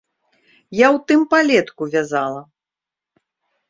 Я ў тым палетку вязала!